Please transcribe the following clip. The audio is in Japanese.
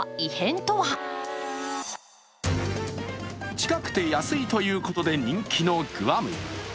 近くて安いということで人気のグアム。